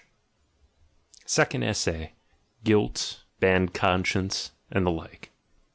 SECOND ESSAY "GUILT," "BAD CONSCIENCE," AND THE LIKE i.